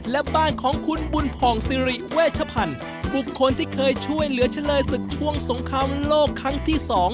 และบ้านของคุณบุญผ่องสิริเวชพันธ์บุคคลที่เคยช่วยเหลือเฉลยศึกช่วงสงครามโลกครั้งที่๒